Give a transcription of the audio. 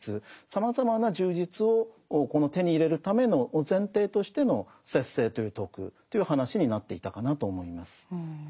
さまざまな充実を手に入れるための前提としての節制という徳という話になっていたかなと思います。